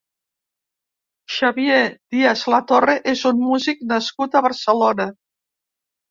Xavier Díaz-Latorre és un músic nascut a Barcelona.